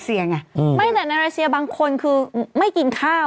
อืมไม่อันนั้นฮาเลสเซียบางคนไม่กินข้าว